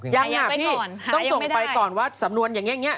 ยังอ่ะพี่ต้องส่งไปก่อนว่าสำนวนอย่างนี้